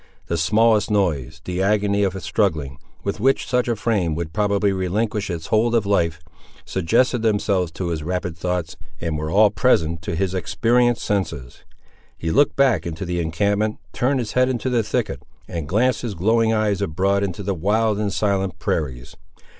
The smallest noise, the agony of struggling, with which such a frame would probably relinquish its hold of life, suggested themselves to his rapid thoughts, and were all present to his experienced senses. He looked back into the encampment, turned his head into the thicket, and glanced his glowing eyes abroad into the wild and silent prairies.